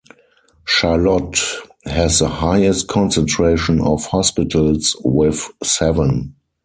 Charlotte has the highest concentration of hospitals, with seven.